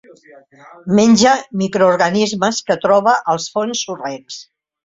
Menja microorganismes que troba als fons sorrencs.